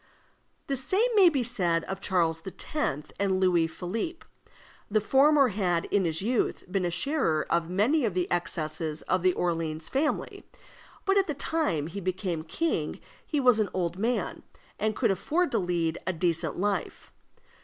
The same may be said of Charles X. and Louis Philippe. The former had, in his youth, been a sharer of many of the excesses of the Orleans family, but at the time he became king he was an old man, and could afford to lead a decent life.